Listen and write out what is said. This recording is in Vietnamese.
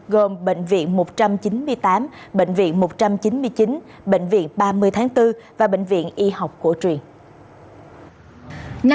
gồm bệnh viện một trăm chín mươi tám bệnh viện một trăm chín mươi chín bệnh viện ba mươi tháng bốn và bệnh viện y học cổ truyền